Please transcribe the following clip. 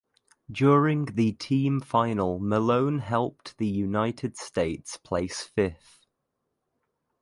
During the team final Malone helped the United States place fifth.